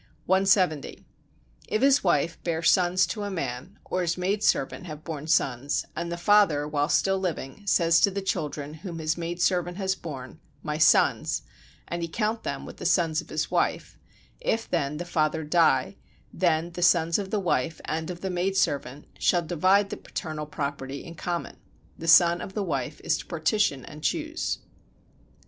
170. If his wife bear sons to a man, or his maid servant have borne sons, and the father while still living says to the children whom his maid servant has borne: "My sons," and he count them with the sons of his wife; if then the father die, then the sons of the wife and of the maid servant shall divide the paternal property in common. The son of the wife is to partition and choose.